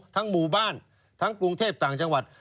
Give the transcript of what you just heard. หมู่บ้านทั้งกรุงเทพต่างจังหวัด